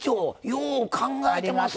よう考えてますな！